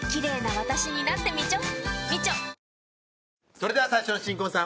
それでは最初の新婚さん